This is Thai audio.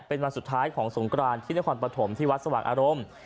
เป็นวันสุดท้ายของสงกรานที่นครปฐมที่วัดสว่างอารมณ์